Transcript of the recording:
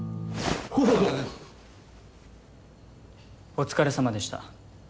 お疲れさまでした。